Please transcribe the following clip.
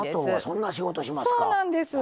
そうなんです。